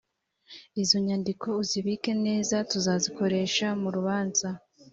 izo nyandiko uzibike neza tuzazikoresha mu rubanza